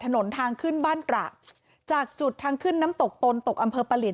ถนนทางขึ้นบ้านตระจากจุดทางขึ้นน้ำตกตนตกอำเภอประเหลียน